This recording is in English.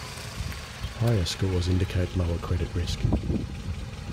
Higher scores indicate lower credit risk.